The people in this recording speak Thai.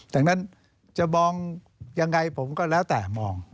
ดังนั้นจะมองยังไงผมก็แล้วแต่มอง